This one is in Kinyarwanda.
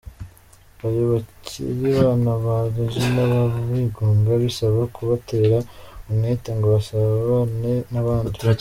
Iyo bakiri abana ba Regina baba bigunga, bisaba kubatera umwete ngo basabane n’abandi.